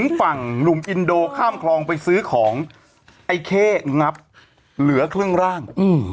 ใช่ไหมเอาอีกเหรอเอาอีกสิเอียิบเลยไม่ถึงฝั่ง